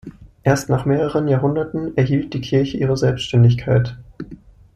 Erst nach mehreren Jahrhunderten erhielt die Kirche ihre Selbständigkeit.